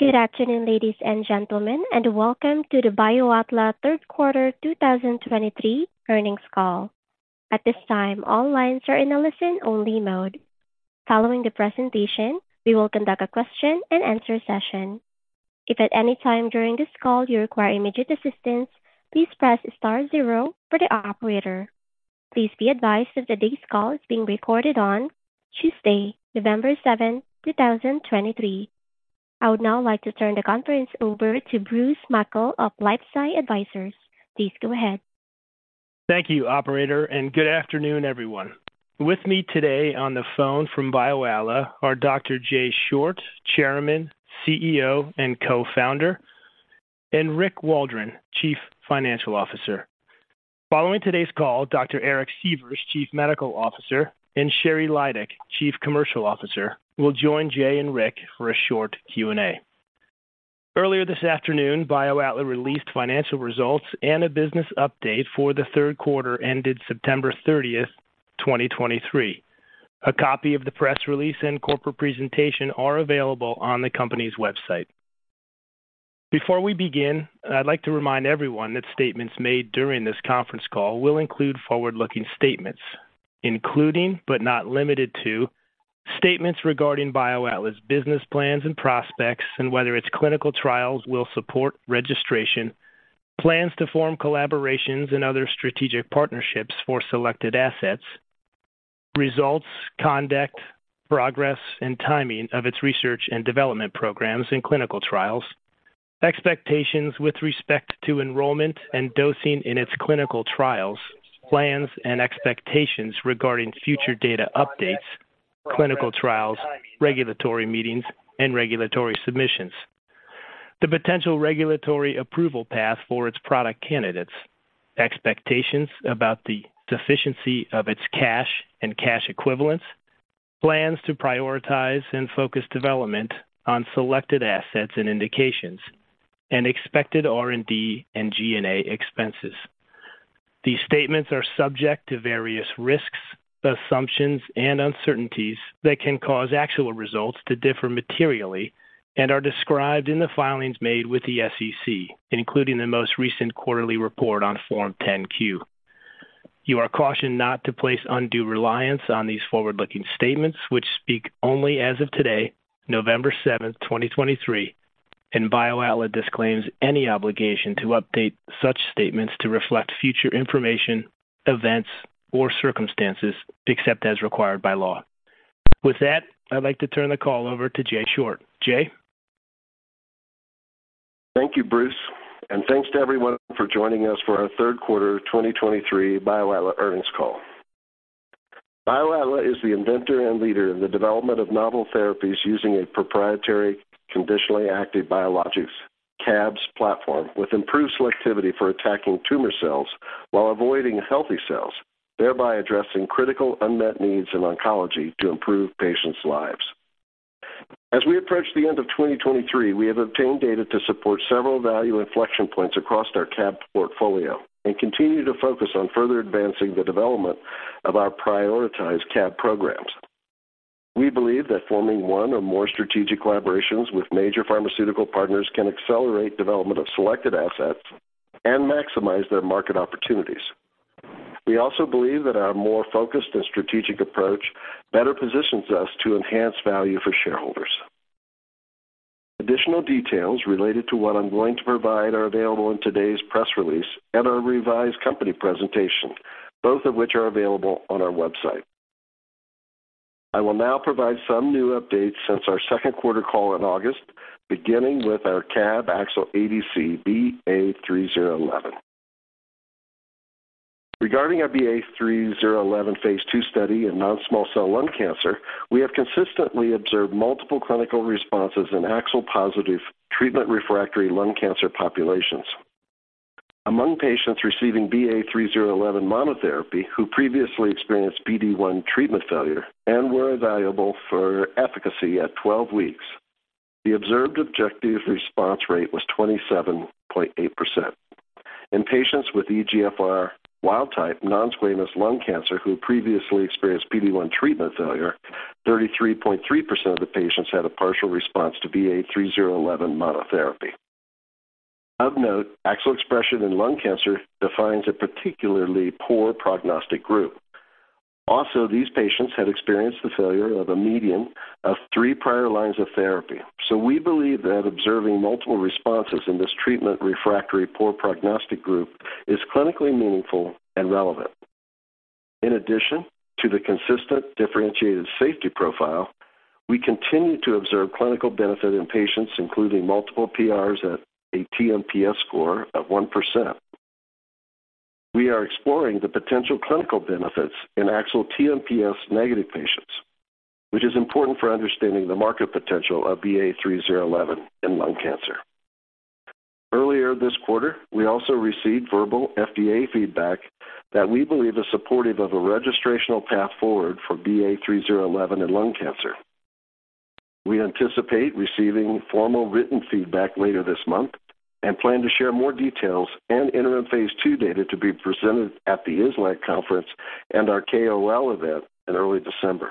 Good afternoon, ladies and gentlemen, and welcome to the BioAtla third quarter 2023 earnings call. At this time, all lines are in a listen-only mode. Following the presentation, we will conduct a question-and-answer session. If at any time during this call you require immediate assistance, please press star zero for the operator. Please be advised that today's call is being recorded on Tuesday, November 7, 2023. I would now like to turn the conference over to Bruce Mackle of LifeSci Advisors. Please go ahead. Thank you, operator, and good afternoon, everyone. With me today on the phone from BioAtla are Dr. Jay Short, Chairman, CEO, and Co-founder, and Rick Waldron, Chief Financial Officer. Following today's call, Dr. Eric Sievers, Chief Medical Officer, and Sheri Lydick, Chief Commercial Officer, will join Jay and Rick for a short Q&A. Earlier this afternoon, BioAtla released financial results and a business update for the third quarter ended September 30, 2023. A copy of the press release and corporate presentation are available on the company's website. Before we begin, I'd like to remind everyone that statements made during this conference call will include forward-looking statements, including, but not limited to, statements regarding BioAtla's business plans and prospects and whether its clinical trials will support registration, plans to form collaborations and other strategic partnerships for selected assets, results, conduct, progress, and timing of its research and development programs in clinical trials, expectations with respect to enrollment and dosing in its clinical trials, plans and expectations regarding future data updates, clinical trials, regulatory meetings, and regulatory submissions, the potential regulatory approval path for its product candidates, expectations about the sufficiency of its cash and cash equivalents, plans to prioritize and focus development on selected assets and indications, and expected R&D and G&A expenses. These statements are subject to various risks, assumptions, and uncertainties that can cause actual results to differ materially and are described in the filings made with the SEC, including the most recent quarterly report on Form 10-Q. You are cautioned not to place undue reliance on these forward-looking statements, which speak only as of today, November 7, 2023, and BioAtla disclaims any obligation to update such statements to reflect future information, events, or circumstances except as required by law. With that, I'd like to turn the call over to Jay Short. Jay? Thank you, Bruce, and thanks to everyone for joining us for our third quarter 2023 BioAtla earnings call. BioAtla is the inventor and leader in the development of novel therapies using a proprietary Conditionally Active Biologics CABs platform, with improved selectivity for attacking tumor cells while avoiding healthy cells, thereby addressing critical unmet needs in oncology to improve patients' lives. As we approach the end of 2023, we have obtained data to support several value inflection points across our CAB portfolio and continue to focus on further advancing the development of our prioritized CAB programs. We believe that forming one or more strategic collaborations with major pharmaceutical partners can accelerate development of selected assets and maximize their market opportunities. We also believe that our more focused and strategic approach better positions us to enhance value for shareholders. Additional details related to what I'm going to provide are available in today's press release and our revised company presentation, both of which are available on our website. I will now provide some new updates since our second quarter call in August, beginning with our CAB-AXL-ADC, BA3011. Regarding our BA3011 phase II study in non-small cell lung cancer, we have consistently observed multiple clinical responses in AXL-positive treatment-refractory lung cancer populations. Among patients receiving BA3011 monotherapy, who previously experienced PD-1 treatment failure and were evaluable for efficacy at 12 weeks, the observed objective response rate was 27.8%. In patients with EGFR wild-type non-squamous lung cancer who previously experienced PD-1 treatment failure, 33.3% of the patients had a partial response to BA3011 monotherapy. Of note, AXL expression in lung cancer defines a particularly poor prognostic group. Also, these patients had experienced the failure of a median of 3 prior lines of therapy. So we believe that observing multiple responses in this treatment-refractory poor prognostic group is clinically meaningful and relevant. In addition to the consistent differentiated safety profile, we continue to observe clinical benefit in patients, including multiple PRs at a TmPS score of 1%. We are exploring the potential clinical benefits in AXL TmPS negative patients, which is important for understanding the market potential of BA3011 in lung cancer. Earlier this quarter, we also received verbal FDA feedback that we believe is supportive of a registrational path forward for BA3011 in lung cancer. We anticipate receiving formal written feedback later this month. We plan to share more details and interim phase II data to be presented at the IASLC conference and our KOL event in early December.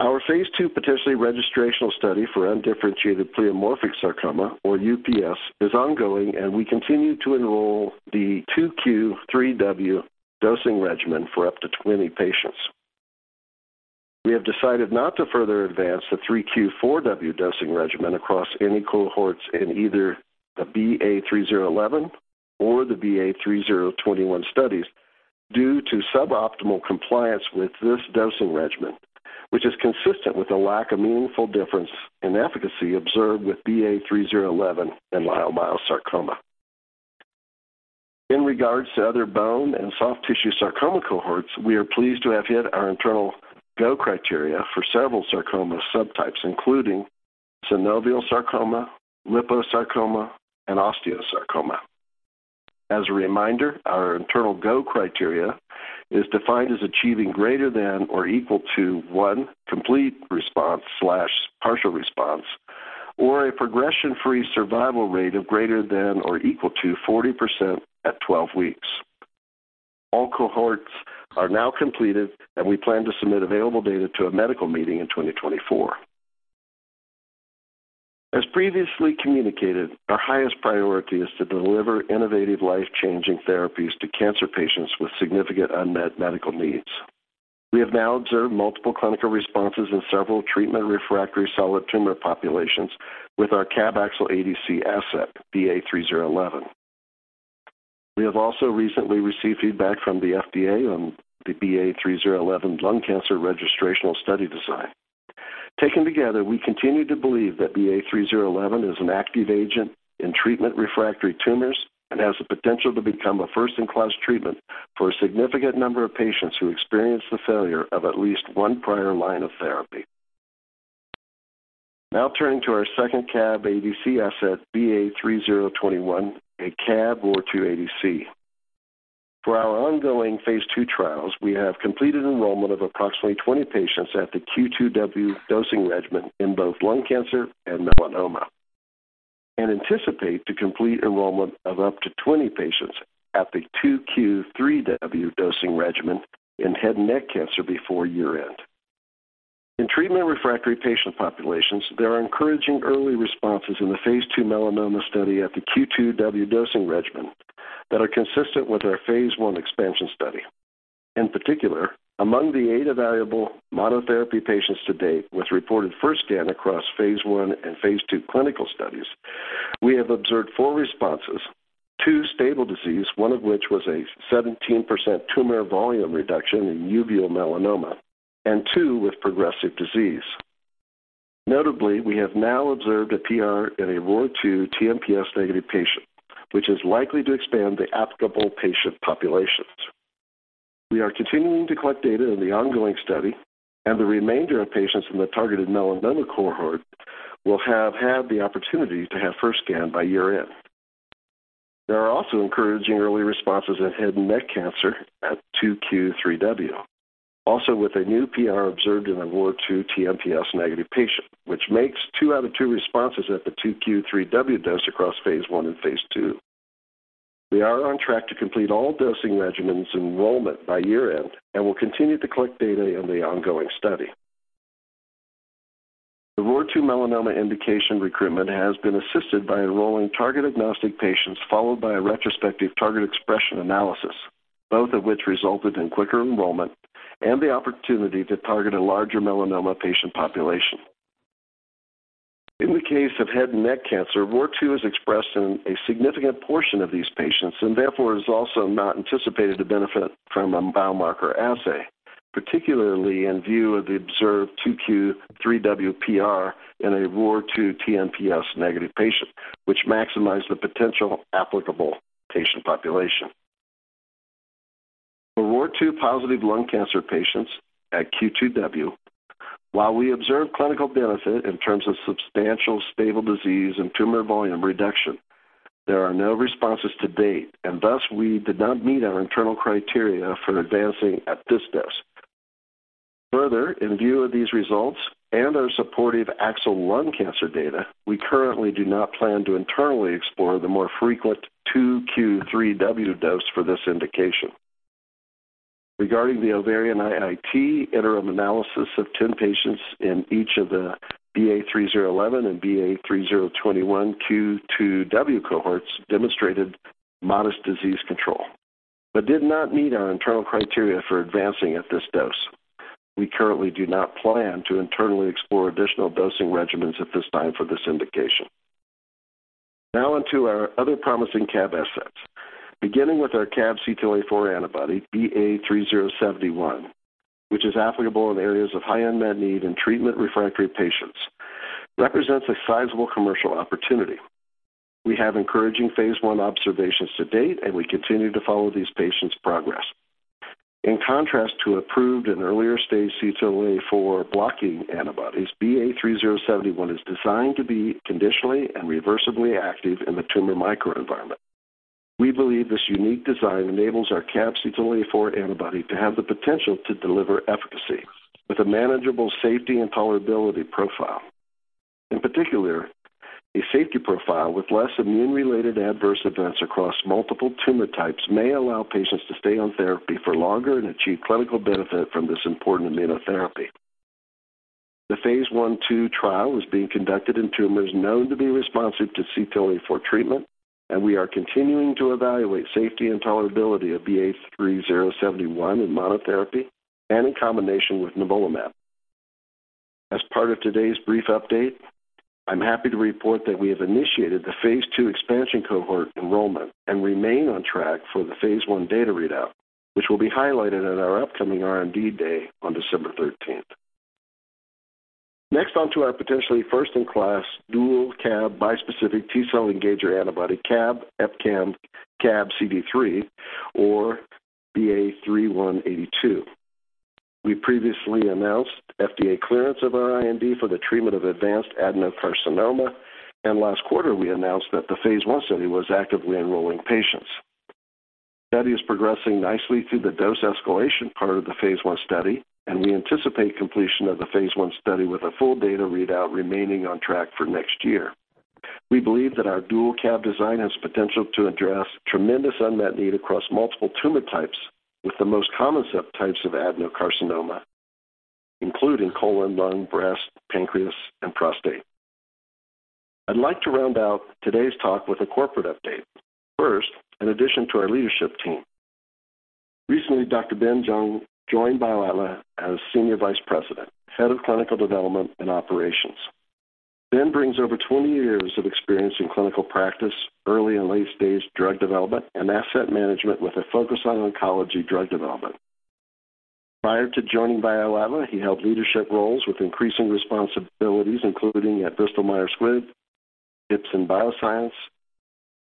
Our phase II potentially registrational study for undifferentiated pleomorphic sarcoma, or UPS, is ongoing, and we continue to enroll the 2Q3W dosing regimen for up to 20 patients. We have decided not to further advance the 3Q4W dosing regimen across any cohorts in either the BA3011 or the BA3021 studies due to suboptimal compliance with this dosing regimen, which is consistent with a lack of meaningful difference in efficacy observed with BA3011 in leiomyosarcoma. In regards to other bone and soft tissue sarcoma cohorts, we are pleased to have hit our internal go criteria for several sarcoma subtypes, including synovial sarcoma, liposarcoma, and osteosarcoma. As a reminder, our internal go criteria is defined as achieving greater than or equal to 1 complete response/partial response, or a progression-free survival rate of greater than or equal to 40% at 12 weeks. All cohorts are now completed, and we plan to submit available data to a medical meeting in 2024. As previously communicated, our highest priority is to deliver innovative, life-changing therapies to cancer patients with significant unmet medical needs. We have now observed multiple clinical responses in several treatment-refractory solid tumor populations with our CAB-AXL ADC asset, BA3011. We have also recently received feedback from the FDA on the BA3011 lung cancer registrational study design. Taken together, we continue to believe that BA3011 is an active agent in treatment-refractory tumors and has the potential to become a first-in-class treatment for a significant number of patients who experience the failure of at least one prior line of therapy. Now turning to our second CAB ADC asset, BA3021, a CAB-ROR2-ADC. For our ongoing phase II trials, we have completed enrollment of approximately 20 patients at the Q2W dosing regimen in both lung cancer and melanoma, and anticipate to complete enrollment of up to 20 patients at the 2Q3W dosing regimen in head and neck cancer before year-end. In treatment-refractory patient populations, there are encouraging early responses in the phase II melanoma study at the Q2W dosing regimen that are consistent with our phase I expansion study. In particular, among the eight evaluable monotherapy patients to date, with reported first scan across phase I and phase II clinical studies, we have observed four responses: two stable disease, one of which was a 17% tumor volume reduction in uveal melanoma, and two with progressive disease. Notably, we have now observed a PR in a ROR2 TmPS-negative patient, which is likely to expand the applicable patient populations. We are continuing to collect data in the ongoing study, and the remainder of patients in the targeted melanoma cohort will have had the opportunity to have first scan by year-end. There are also encouraging early responses in head and neck cancer at 2Q3W, also with a new PR observed in a ROR2 TmPS-negative patient, which makes two out of two responses at the 2Q3W dose across phase I and phase II. We are on track to complete all dosing regimens enrollment by year-end and will continue to collect data in the ongoing study. The ROR2 melanoma indication recruitment has been assisted by enrolling target-agnostic patients, followed by a retrospective target expression analysis, both of which resulted in quicker enrollment and the opportunity to target a larger melanoma patient population. In the case of head and neck cancer, ROR2 is expressed in a significant portion of these patients and therefore is also not anticipated to benefit from a biomarker assay, particularly in view of the observed 2Q3W PR in a ROR2 TmPS-negative patient, which maximized the potential applicable patient population. For ROR2-positive lung cancer patients at Q2W, while we observed clinical benefit in terms of substantial stable disease and tumor volume reduction, there are no responses to date, and thus we did not meet our internal criteria for advancing at this dose. Further, in view of these results and our supportive AXL lung cancer data, we currently do not plan to internally explore the more frequent 2Q3W dose for this indication. Regarding the ovarian IIT, interim analysis of 10 patients in each of the BA3011 and BA3021 Q2W cohorts demonstrated modest disease control but did not meet our internal criteria for advancing at this dose. We currently do not plan to internally explore additional dosing regimens at this time for this indication. Now on to our other promising CAB assets. Beginning with our CAB CTLA-4 antibody, BA3071, which is applicable in areas of high unmet need in treatment-refractory patients, represents a sizable commercial opportunity. We have encouraging phase I observations to date, and we continue to follow these patients' progress. In contrast to approved and earlier-stage CTLA-4 blocking antibodies, BA3071 is designed to be conditionally and reversibly active in the tumor microenvironment. We believe this unique design enables our CAB CTLA-4 antibody to have the potential to deliver efficacy with a manageable safety and tolerability profile. In particular, a safety profile with less immune-related adverse events across multiple tumor types may allow patients to stay on therapy for longer and achieve clinical benefit from this important immunotherapy. The phase I/2 trial is being conducted in tumors known to be responsive to CTLA-4 treatment, and we are continuing to evaluate safety and tolerability of BA3071 in monotherapy and in combination with nivolumab. As part of today's brief update, I'm happy to report that we have initiated the phase II expansion cohort enrollment and remain on track for the phase I data readout, which will be highlighted at our upcoming R&D Day on December 13. Next, on to our potentially first-in-class dual CAB bispecific T-cell engager antibody, CAB EpCAM, CAB CD3, or BA3182. We previously announced FDA clearance of our IND for the treatment of advanced adenocarcinoma, and last quarter we announced that the phase I study was actively enrolling patients. The study is progressing nicely through the dose escalation part of the phase I study, and we anticipate completion of the phase I study with a full data readout remaining on track for next year. We believe that our dual CAB design has potential to address tremendous unmet need across multiple tumor types, with the most common subtypes of adenocarcinoma, including colon, lung, breast, pancreas, and prostate. I'd like to round out today's talk with a corporate update. First, in addition to our leadership team, recently, Dr. Ben Zheng joined BioAtla as Senior Vice President, Head of Clinical Development and Operations. Ben brings over 20 years of experience in clinical practice, early and late-stage drug development, and asset management, with a focus on oncology drug development. Prior to joining BioAtla, he held leadership roles with increasing responsibilities, including at Bristol-Myers Squibb, Ipsen,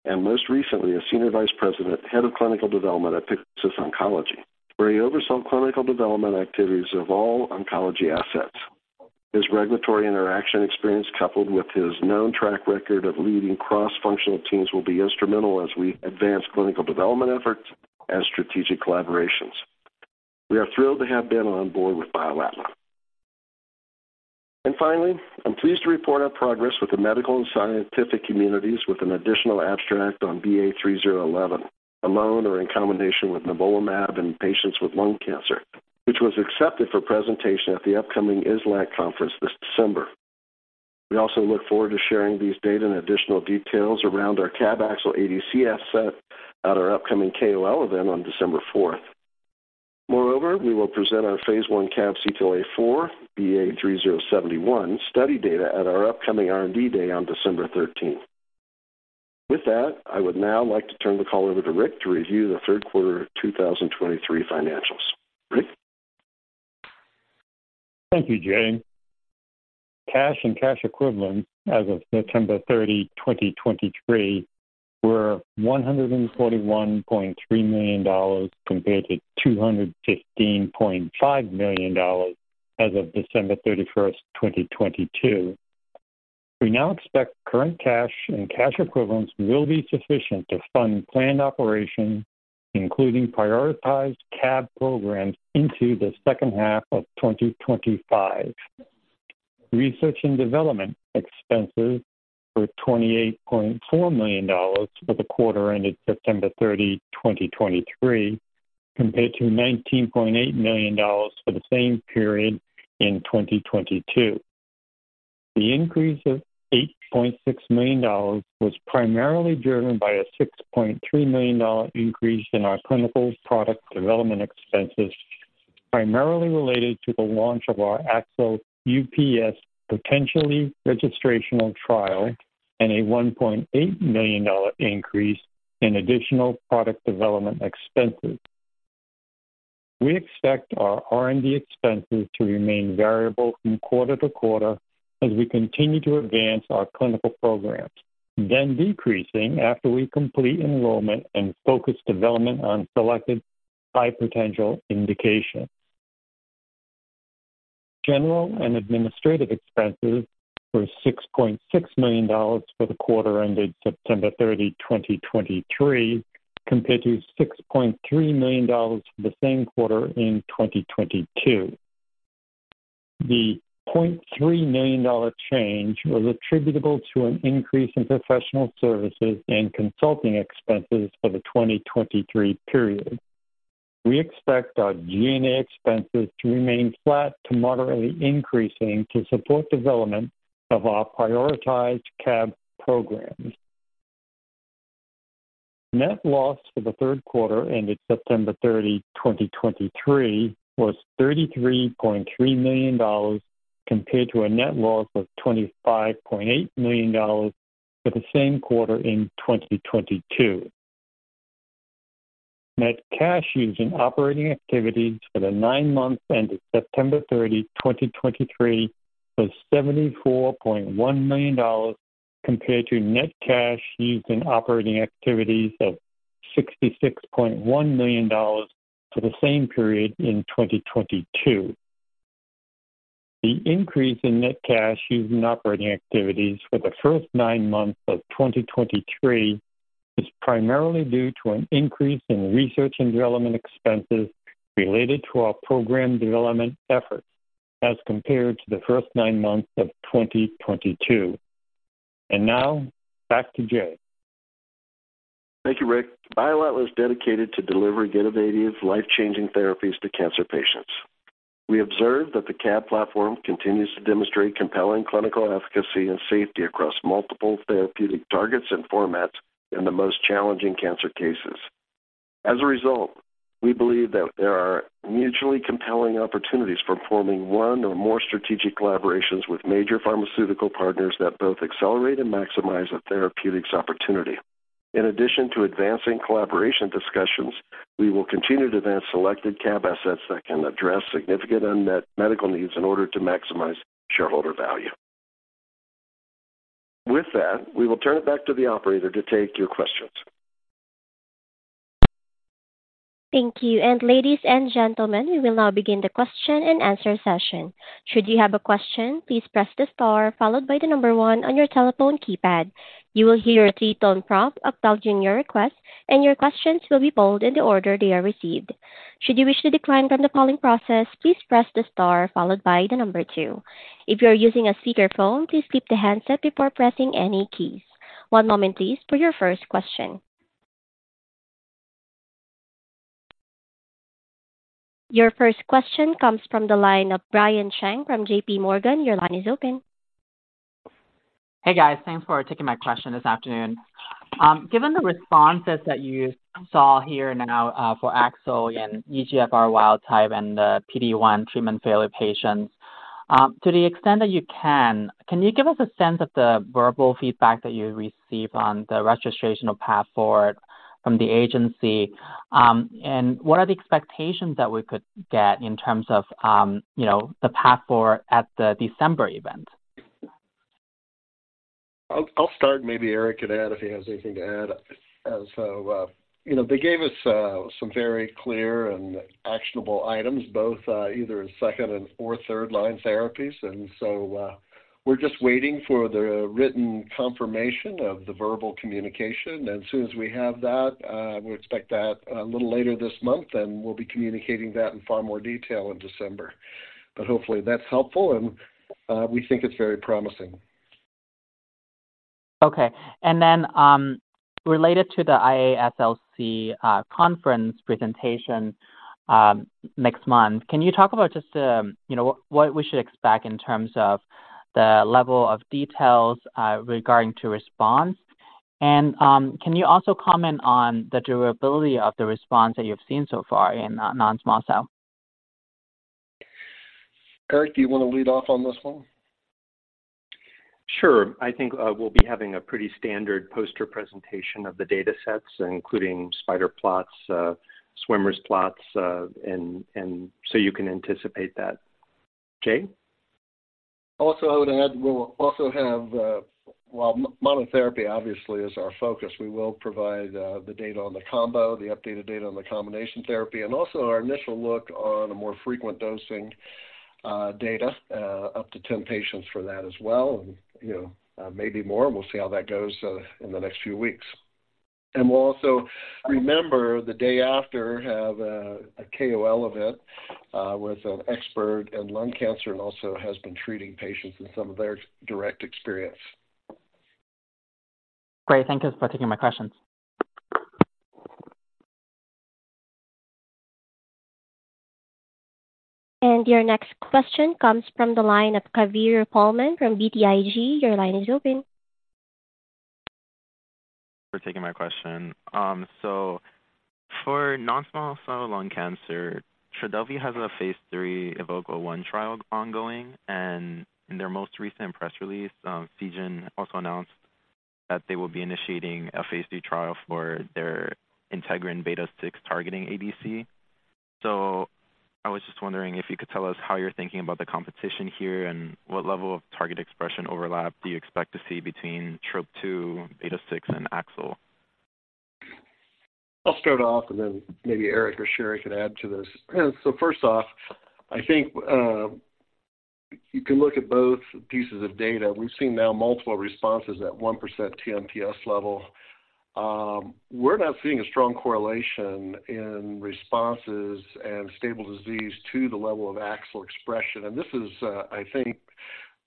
and most recently as Senior Vice President, Head of Clinical Development at Pyxus Oncology, where he oversaw clinical development activities of all oncology assets. His regulatory interaction experience, coupled with his known track record of leading cross-functional teams, will be instrumental as we advance clinical development efforts and strategic collaborations. We are thrilled to have Ben on board with BioAtla. Finally, I'm pleased to report on progress with the medical and scientific communities with an additional abstract on BA3011, alone or in combination with nivolumab in patients with lung cancer, which was accepted for presentation at the upcoming IASLC conference this December. We also look forward to sharing these data and additional details around our CAB-AXL-ADC asset at our upcoming KOL event on December fourth. Moreover, we will present our phase I CAB CTLA-4, BA3071 study data at our upcoming R&D Day on December 13. With that, I would now like to turn the call over to Rick to review the third quarter of 2023 financials. Rick? Thank you, Jay. Cash and cash equivalents as of September 30, 2023, were $141.3 million, compared to $215.5 million as of December 31, 2022. We now expect current cash and cash equivalents will be sufficient to fund planned operations, including prioritized CAB programs into the second half of 2025. Research and development expenses were $28.4 million for the quarter ended September 30, 2023, compared to $19.8 million for the same period in 2022. The increase of $8.6 million was primarily driven by a $6.3 million increase in our clinical product development expenses, primarily related to the launch of our AXL UPS, potentially registrational trial and a $1.8 million increase in additional product development expenses. We expect our R&D expenses to remain variable from quarter to quarter as we continue to advance our clinical programs, then decreasing after we complete enrollment and focus development on selected high-potential indications. General and administrative expenses were $6.6 million for the quarter ended September 30, 2023, compared to $6.3 million for the same quarter in 2022. The $0.3 million change was attributable to an increase in professional services and consulting expenses for the 2023 period. We expect our G&A expenses to remain flat to moderately increasing to support development of our prioritized CAB programs. Net loss for the third quarter ended September 30, 2023, was $33.3 million, compared to a net loss of $25.8 million for the same quarter in 2022. Net cash used in operating activities for the nine months ended September 30, 2023, was $74.1 million, compared to net cash used in operating activities of $66.1 million for the same period in 2022. ... The increase in net cash used in operating activities for the first nine months of 2023 is primarily due to an increase in research and development expenses related to our program development efforts as compared to the first 9 months of 2022. Now, back to Jay. Thank you, Rick. BioAtla is dedicated to delivering innovative, life-changing therapies to cancer patients. We observed that the CAB platform continues to demonstrate compelling clinical efficacy and safety across multiple therapeutic targets and formats in the most challenging cancer cases. As a result, we believe that there are mutually compelling opportunities for forming one or more strategic collaborations with major pharmaceutical partners that both accelerate and maximize a therapeutics opportunity. In addition to advancing collaboration discussions, we will continue to advance selected CAB assets that can address significant unmet medical needs in order to maximize shareholder value. With that, we will turn it back to the operator to take your questions. Thank you. Ladies and gentlemen, we will now begin the question and answer session. Should you have a question, please press the star followed by the number one on your telephone keypad. You will hear a 3-tone prompt acknowledging your request, and your questions will be polled in the order they are received. Should you wish to decline from the polling process, please press the star followed by the number two. If you are using a speakerphone, please keep the handset before pressing any keys. One moment, please, for your first question. Your first question comes from the line of Brian Cheng from JP Morgan. Your line is open. Hey, guys. Thanks for taking my question this afternoon. Given the responses that you saw here now, for AXL and EGFR wild-type and the PD-1 treatment failure patients, to the extent that you can, can you give us a sense of the verbal feedback that you receive on the registrational path forward from the agency? What are the expectations that we could get in terms of, you know, the path forward at the December event? I'll start, maybe Eric can add if he has anything to add. You know, they gave us some very clear and actionable items, both either in second- and/or third-line therapies. We're just waiting for the written confirmation of the verbal communication. As soon as we have that, we expect that a little later this month, and we'll be communicating that in far more detail in December. But hopefully that's helpful, and we think it's very promising. Okay. And then, related to the IASLC conference presentation next month, can you talk about just, you know, what we should expect in terms of the level of details regarding to response? And, can you also comment on the durability of the response that you've seen so far in non-small cell? Eric, do you want to lead off on this one? Sure. I think, we'll be having a pretty standard poster presentation of the datasets, including spider plots, swimmers plots, and so you can anticipate that. Jay? Also, I would add, we'll also have, while monotherapy obviously is our focus, we will provide, the data on the combo, the updated data on the combination therapy, and also our initial look on a more frequent dosing, data, up to 10 patients for that as well, and, you know, maybe more. We'll see how that goes, in the next few weeks. And we'll also remember, the day after, have a, a KOL event, with an expert in lung cancer and also has been treating patients in some of their direct experience. Great. Thank you for taking my questions. Your next question comes from the line of Kaveri Pohlman from BTIG. Your line is open. For taking my question. So for non-small cell lung cancer, Trodelvy has a phase II EVOKE-01 trial ongoing, and in their most recent press release, Seagen also announced that they will be initiating a phase II trial for their integrin beta-6 targeting ADC. So I was just wondering if you could tell us how you're thinking about the competition here, and what level of target expression overlap do you expect to see between Trop-2, beta-6, and AXL? I'll start off, and then maybe Eric or Sheri can add to this. So first off, I think, you can look at both pieces of data. We've seen now multiple responses at 1% TmPS level. We're not seeing a strong correlation in responses and stable disease to the level of AXL expression, and this is, I think,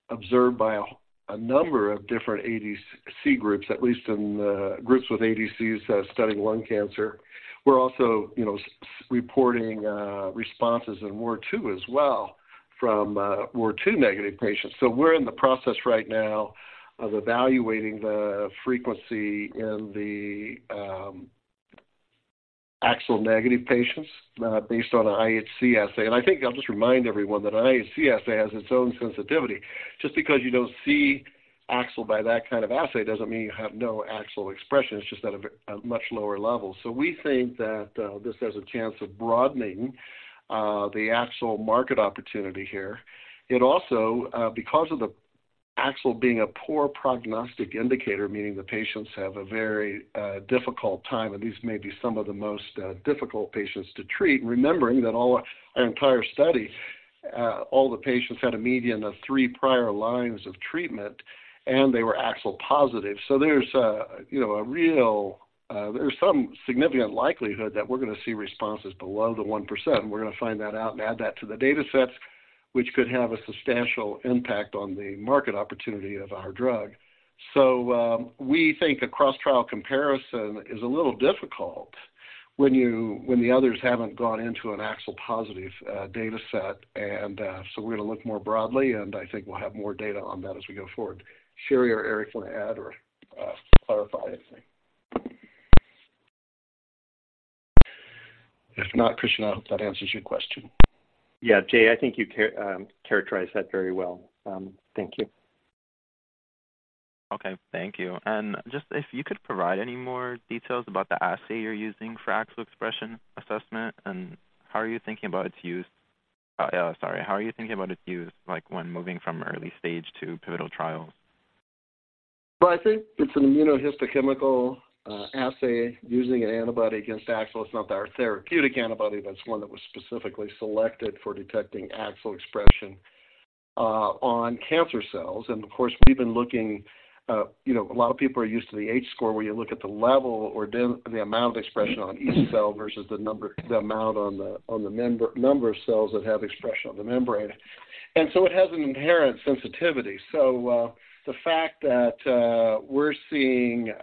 observed by a number of different ADC groups, at least in groups with ADCs studying lung cancer. We're also, you know, reporting responses in ROR2 as well, from ROR2 negative patients. So we're in the process right now of evaluating the frequency in the AXL negative patients, based on an IHC assay. And I think I'll just remind everyone that an IHC assay has its own sensitivity. Just because you don't see AXL by that kind of assay, doesn't mean you have no AXL expression. It's just at a much lower level. So we think that this has a chance of broadening the AXL market opportunity here. It also, because of the AXL being a poor prognostic indicator, meaning the patients have a very difficult time, and these may be some of the most difficult patients to treat, remembering that all our entire study, all the patients had a median of 3 prior lines of treatment, and they were AXL positive. So there's a, you know, a real, there's some significant likelihood that we're gonna see responses below the 1%. We're gonna find that out and add that to the data sets, which could have a substantial impact on the market opportunity of our drug. So, we think a cross-trial comparison is a little difficult when the others haven't gone into an AXL-positive data set. And so we're gonna look more broadly, and I think we'll have more data on that as we go forward. Sheri or Eric, want to add or clarify anything? If not, Christian, I hope that answers your question. Yeah, Jay, I think you characterize that very well. Thank you. Okay, thank you. And just if you could provide any more details about the assay you're using for AXL expression assessment, and how are you thinking about its use? Sorry. How are you thinking about its use, like, when moving from early stage to pivotal trials? Well, I think it's an immunohistochemical assay using an antibody against AXL. It's not our therapeutic antibody, but it's one that was specifically selected for detecting AXL expression on cancer cells. And of course, we've been looking, you know, a lot of people are used to the H-score, where you look at the level the amount of expression on each cell versus the number, the amount on the, on the membrane, number of cells that have expression on the membrane. And so it has an inherent sensitivity. So, the fact that we're seeing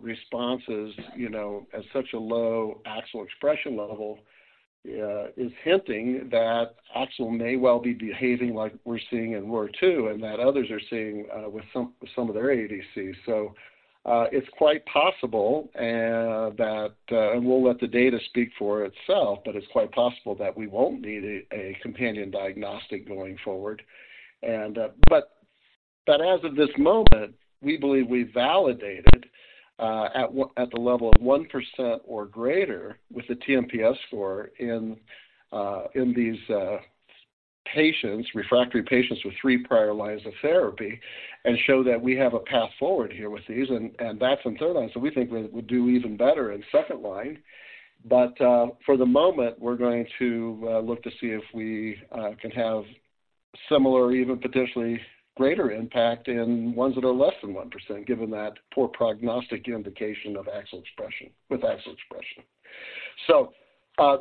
responses, you know, at such a low AXL expression level is hinting that AXL may well be behaving like we're seeing in ROR2 and that others are seeing with some of their ADCs. So, it's quite possible, and we'll let the data speak for itself, but it's quite possible that we won't need a companion diagnostic going forward. But as of this moment, we believe we validated at the level of 1% or greater with the TmPS score in these refractory patients with three prior lines of therapy, and show that we have a path forward here with these, and that's in third line. So we think we'll do even better in second line. But for the moment, we're going to look to see if we can have similar or even potentially greater impact in ones that are less than 1%, given that poor prognostic indication of AXL expression, with AXL expression. So,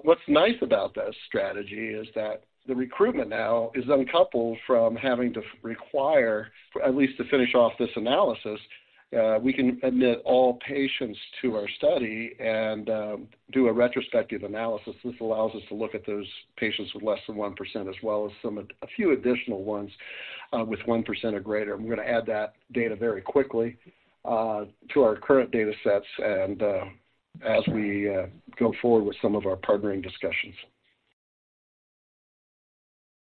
what's nice about this strategy is that the recruitment now is uncoupled from having to require, at least to finish off this analysis, we can admit all patients to our study and, do a retrospective analysis. This allows us to look at those patients with less than 1%, as well as some, a few additional ones, with 1% or greater. We're gonna add that data very quickly, to our current data sets and, as we, go forward with some of our partnering discussions.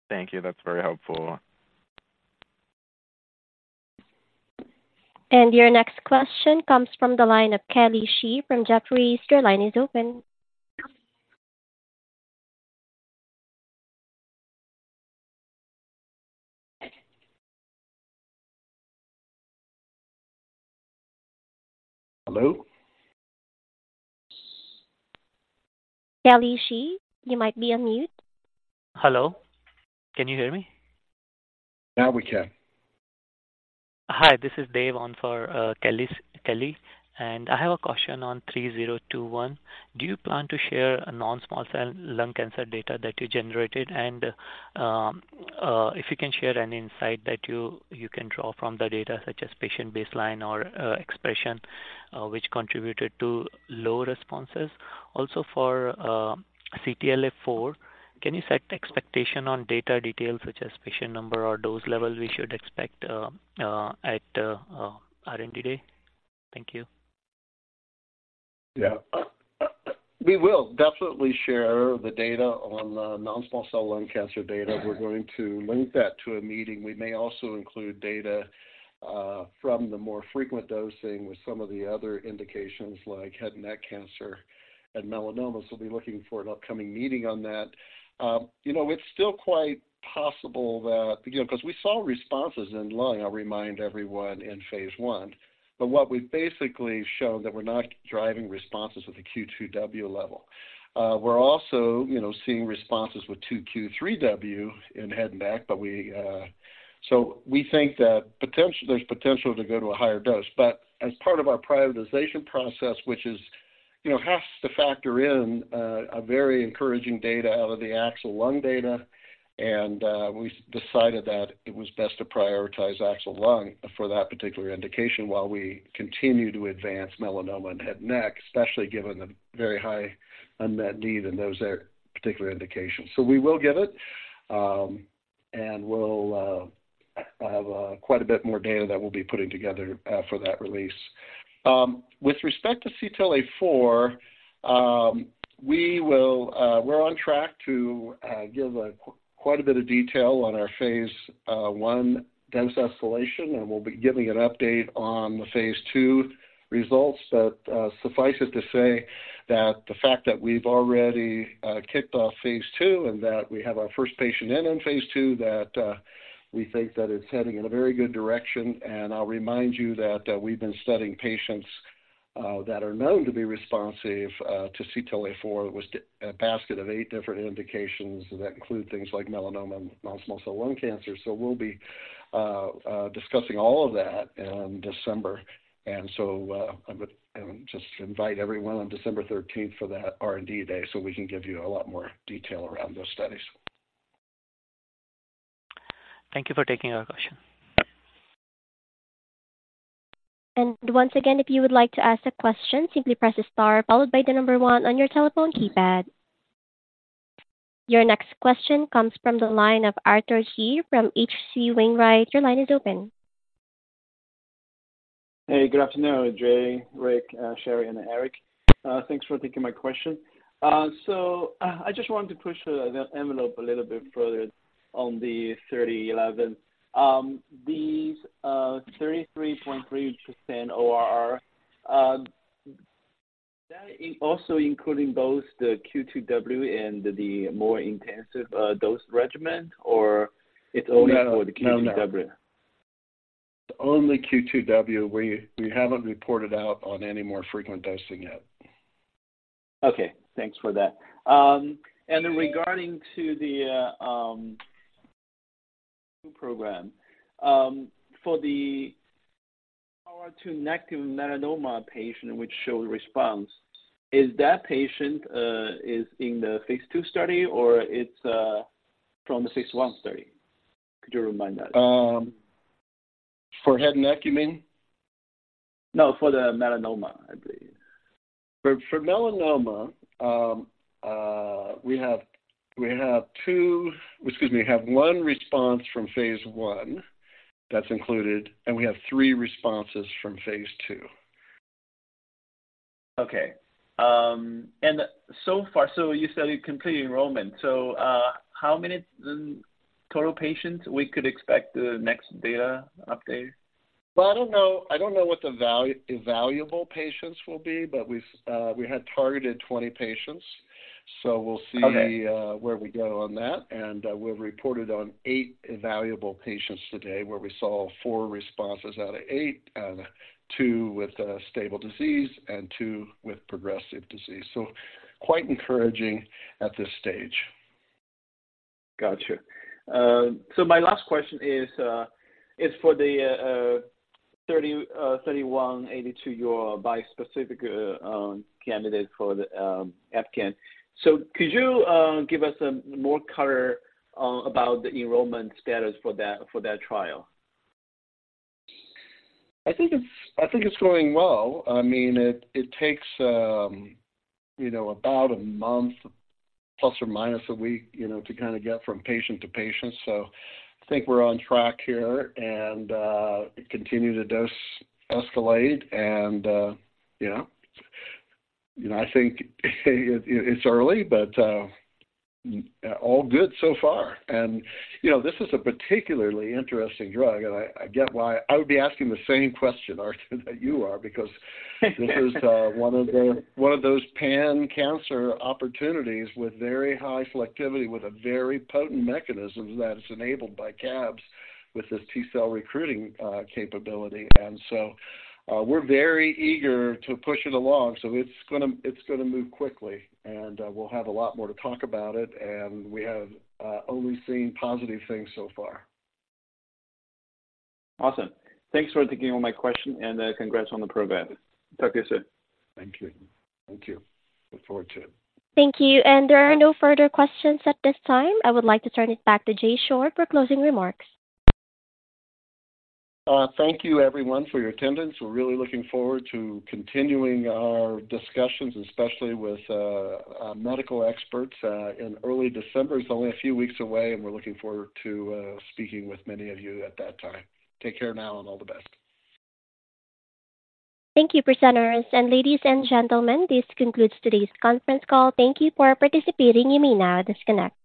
Thank you. That's very helpful. Your next question comes from the line of Kelly Shi from Jefferies. Your line is open. Hello? Kelly Shi, you might be on mute. Hello, can you hear me? Now we can. Hi, this is Dave on for Kelly Shi, and I have a question on 3021. Do you plan to share a non-small cell lung cancer data that you generated? If you can share an insight that you can draw from the data, such as patient baseline or expression, which contributed to low responses. Also for CTLA-4, can you set expectation on data details such as patient number or dose level we should expect at R&D Day? Thank you. Yeah. We will definitely share the data on the non-small cell lung cancer data. We're going to link that to a meeting. We may also include data from the more frequent dosing with some of the other indications, like head and neck cancer and melanoma. So be looking for an upcoming meeting on that. You know, it's still quite possible that, you know, 'cause we saw responses in lung, I'll remind everyone, in phase I, but what we've basically shown that we're not driving responses with a Q2W level. We're also, you know, seeing responses with 2 Q3W in head and neck, but we... So we think that potential, there's potential to go to a higher dose. But as part of our prioritization process, which is, you know, has to factor in a very encouraging data out of the AXL lung data, and we decided that it was best to prioritize AXL lung for that particular indication while we continue to advance melanoma and head and neck, especially given the very high unmet need in those particular indications. So we will give it, and we'll have quite a bit more data that we'll be putting together for that release. With respect to CTLA-4, we're on track to give quite a bit of detail on our phase one dose escalation, and we'll be giving an update on the phase two results. But suffice it to say that the fact that we've already kicked off phase two and that we have our first patient in on phase two, that we think that it's heading in a very good direction. And I'll remind you that we've been studying patients that are known to be responsive to CTLA-4 with a basket of eight different indications that include things like melanoma, non-small cell lung cancer. So we'll be discussing all of that in December. And so I would just invite everyone on December thirteenth for that R&D day, so we can give you a lot more detail around those studies. Thank you for taking our question. And once again, if you would like to ask a question, simply press star, followed by the number 1 on your telephone keypad. Your next question comes from the line of Arthur He from H.C. Wainwright. Your line is open. Hey, good afternoon, Jay, Rick, Sheri, and Eric. Thanks for taking my question. So, I just wanted to push the envelope a little bit further on the 3011. These 33.3% ORR, that also including both the Q2W and the more intensive dose regimen, or it's only for the Q2W? No. Only Q2W. We haven't reported out on any more frequent dosing yet. Okay, thanks for that. And then regarding the program for the BRAF-negative melanoma patient which shows response, is that patient is in the phase II study, or it's from the phase I study? Could you remind that? For head and neck, you mean? No, for the melanoma, I believe. For melanoma, we have one response from phase I that's included, and we have three responses from phase II. Okay. And so far, so you said you're completing enrollment. So, how many total patients we could expect the next data update? Well, I don't know. I don't know what the evaluable patients will be, but we've we had targeted 20 patients. Okay. So we'll see where we go on that, and we've reported on eight evaluable patients today, where we saw four responses out of eight, two with a stable disease and two with progressive disease. So quite encouraging at this stage. Gotcha. So my last question is for the BA-3182, your bispecific candidate for the EpCAM. So could you give us some more color about the enrollment status for that, for that trial? I think it's going well. I mean, it takes, you know, about a month, plus or minus a week, you know, to kind of get from patient to patient. So I think we're on track here and continue to dose escalate, and yeah. You know, I think it's early, but all good so far. And, you know, this is a particularly interesting drug, and I get why I would be asking the same question, Arthur, that you are, because this is one of those pan-cancer opportunities with very high selectivity, with a very potent mechanism that is enabled by cabs with this T-cell recruiting capability. And so, we're very eager to push it along. So it's gonna, it's gonna move quickly, and we'll have a lot more to talk about it, and we have only seen positive things so far. Awesome. Thanks for taking all my questions, and congrats on the program. Talk to you soon. Thank you. Thank you. Look forward to it. Thank you. There are no further questions at this time. I would like to turn it back to Jay Short for closing remarks. Thank you everyone for your attendance. We're really looking forward to continuing our discussions, especially with our medical experts in early December. It's only a few weeks away, and we're looking forward to speaking with many of you at that time. Take care now, and all the best. Thank you, presenters. Ladies and gentlemen, this concludes today's conference call. Thank you for participating. You may now disconnect.